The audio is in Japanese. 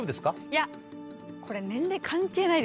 いやこれ年齢関係ないですから。